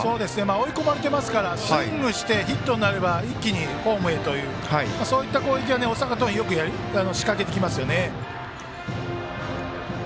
追い込まれていますからスイングしてヒットになれば一気にホームへというそういった攻撃を大阪桐蔭はよく仕掛けてきますね。